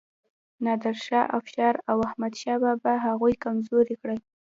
نادر شاه افشار او احمد شاه بابا هغوی کمزوري کړل.